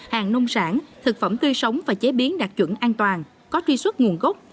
hàng nông sản thực phẩm tươi sống và chế biến đạt chuẩn an toàn có truy xuất nguồn gốc